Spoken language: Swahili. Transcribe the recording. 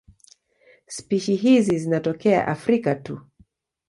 Spishi hizi zinatokea Afrika tu.